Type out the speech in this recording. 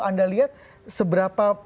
anda lihat seberapa